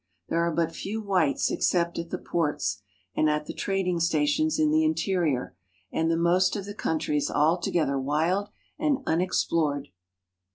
There are but few whites except at the ports and at the trading stations in the interior, and the most of the country is altogether wild and unexplored.